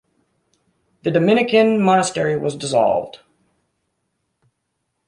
The Dominican monastery was dissolved.